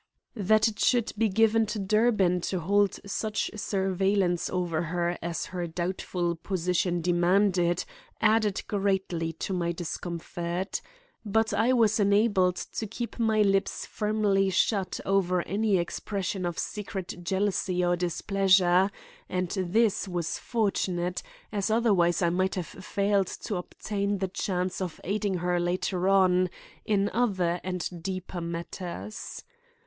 That it should be given to Durbin to hold such surveillance over her as her doubtful position demanded added greatly to my discomfort. But I was enabled to keep my lips firmly shut over any expression of secret jealousy or displeasure; and this was fortunate, as otherwise I might have failed to obtain the chance of aiding her later on, in other and deeper matters.